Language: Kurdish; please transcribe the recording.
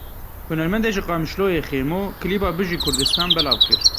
Hunermendê ji Qamişloyê Xêmo, klîba Bijî Kurdistan belav kir.